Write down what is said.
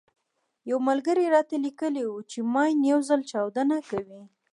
يو ملګري راته ليکلي وو چې ماين يو ځل چاودنه کوي.